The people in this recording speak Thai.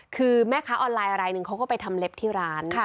คือแม่ค้าออนไลน์อะไรหนึ่งเขาก็ไปทำเล็บที่ร้าน